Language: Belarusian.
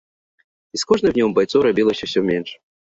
І з кожным днём байцоў рабілася ўсё менш.